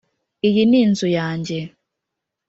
iyi ni inzu yanjye.